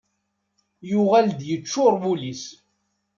Yuɣal-d yeččur wul-is.